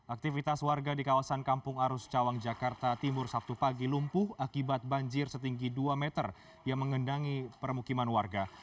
aktivitas warga di kawasan kampung arus cawang jakarta timur sabtu pagi lumpuh akibat banjir setinggi dua meter yang mengendangi permukiman warga